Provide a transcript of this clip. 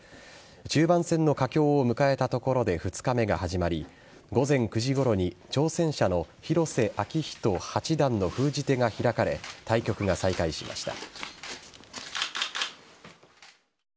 中盤戦の佳境を迎えたところで２日目が始まり午前９時ごろに挑戦者の広瀬章人八段の封じ手が開かれ対局が再開しました。